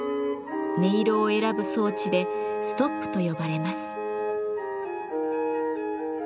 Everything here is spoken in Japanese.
音色を選ぶ装置で「ストップ」と呼ばれます。